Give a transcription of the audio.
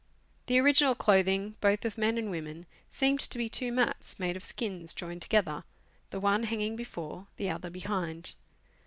The original clothing, both of men and women, seemed to be two mats, made of skins joined together, the one hanging before, the other behind.